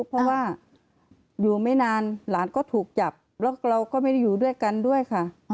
เพราะว่าอยู่ไม่นานหลานก็ถูกจับแล้วเราก็ไม่ได้อยู่ด้วยกันด้วยค่ะ